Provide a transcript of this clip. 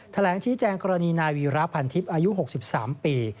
แถลงที่แจงกรณีนายวิรัติภัณฑ์อายุ๖๓ปี